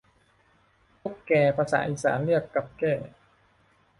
ตุ๊กแก ภาษาอีสานเรียกกับแก้